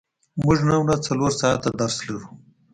موږ نن ورځ څلور ساعته درس لرو.